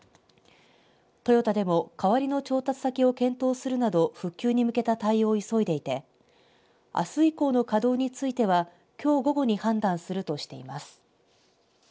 トヨタでも代わりの調達先を検討するなど復旧に向けた対応を急いでいてあす以降の稼働についてはきょう午後に判断するとしています。